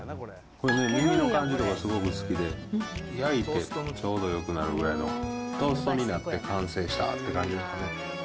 これの耳の感じとかすごく好きで、焼いてちょうどよくなるぐらいの、トーストになって完成したって感じですかね。